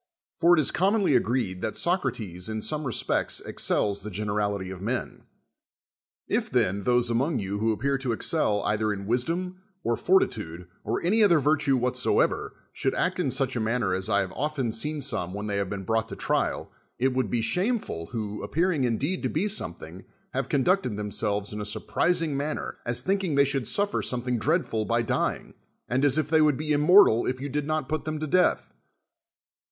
For it is commonly agreed that Socrates in some respects excels tlie generality of men. If, then, those among you who appear to excel either in wisdom, or fortitude, or any other virtue what soever, should act in such a manner as I have often seen so; ne when they have been brought to trial, it would be shameful, who, appearing in deed to be something, have conducted themselves in a surprising manner, as thinldng they should suffm something dreadful by dying, and as if they would be immortal if you did put them to death.